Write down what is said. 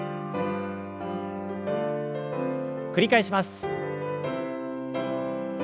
繰り返します。